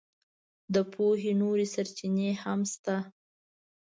د پوهې نورې سرچینې هم شته.